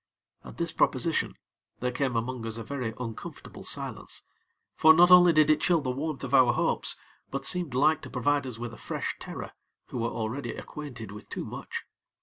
At this proposition, there came among us a very uncomfortable silence; for not only did it chill the warmth of our hopes; but seemed like to provide us with a fresh terror, who were already acquainted with too much.